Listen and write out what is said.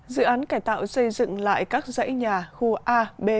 dự án cải tạo xây dựng lại các dãy nhà khu a b